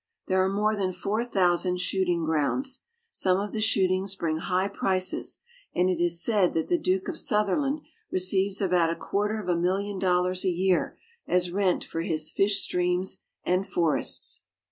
There are more than four thousand shooting grounds. Some of the shootings bring high prices, and it is said that the Duke of Sutherland receives about a quarter of a million dollars a year as rent for his fish streams and forests, 42 SCOTLAND.